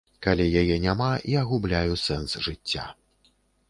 Калі яе няма, я губляю сэнс жыцця.